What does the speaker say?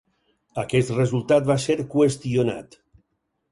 Aquest resultat va ser qüestionat.